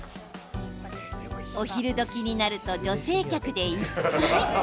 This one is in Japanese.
お昼どきになると女性客でいっぱい。